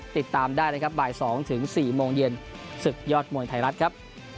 ติดตามได้นะครับบ่าย๒ถึง๔โมงเย็นศึกยอดมวยไทยรัฐครับ